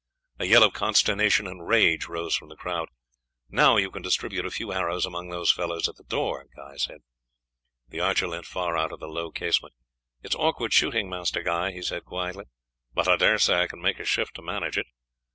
A yell of consternation and rage rose from the crowd. "Now you can distribute a few arrows among those fellows at the door," Guy said. The archer leant far out of the low casement. "It is awkward shooting, Master Guy," he said quietly, "but I daresay I can make a shift to manage it."